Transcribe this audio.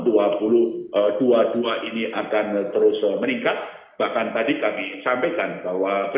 untuk memastikan ketersediaan uang rupiah dengan kualitas yang terjaga di seluruh wilayah nkri